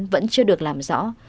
vẫn chưa được làm rõ